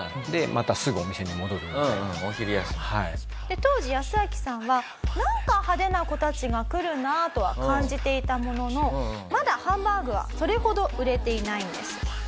当時ヤスアキさんはなんか派手な子たちが来るなあとは感じていたもののまだハンバーグはそれほど売れていないんです。